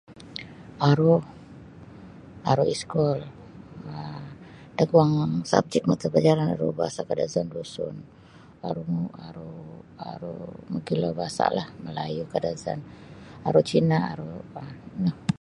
Aru aru iskul um da guang subjek mata pelajaran aru bahasa KadazanDusun aru aru aru mogilo bahasa la Melayu Kadazan aru Cina aru ino.